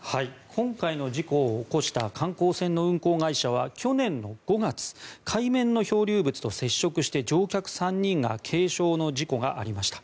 今回の事故を起こした観光船の運航会社は去年の５月海面の漂流物と接触して乗客３人が軽傷の事故がありました。